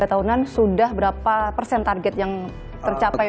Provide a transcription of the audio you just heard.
tiga tahunan sudah berapa persen target yang tercapai